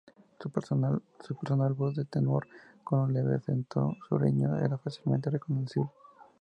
Su personal voz de tenor, con un leve acento sureño, era fácilmente reconocible.